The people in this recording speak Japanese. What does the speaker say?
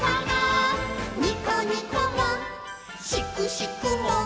「にこにこもしくしくも」